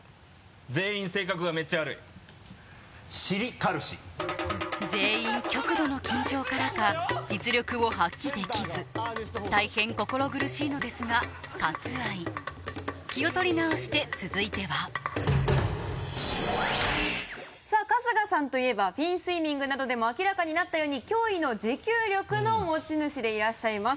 「全員性格がメッチャ悪い」「尻軽し」全員極度の緊張からか実力を発揮できず大変心苦しいのですが割愛気を取り直して続いてはさぁ春日さんといえばフィンスイミングなどでも明らかになったように脅威の持久力の持ち主でいらっしゃいます。